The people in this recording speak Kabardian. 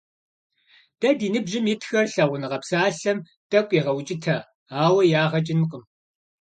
Дэ ди ныбжьым итхэр «лъагъуныгъэ» псалъэм тӀэкӀу егъэукӀытэ, ауэ ягъэ кӀынкъым.